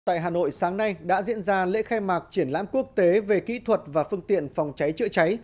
tại hà nội sáng nay đã diễn ra lễ khai mạc triển lãm quốc tế về kỹ thuật và phương tiện phòng cháy chữa cháy